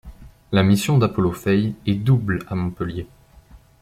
La mission d'Apollo Faye est double à Montpellier.